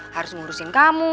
harus ngurusin kamu